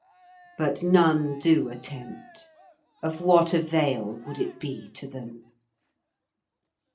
But none do attempt; of what avail would it be to them?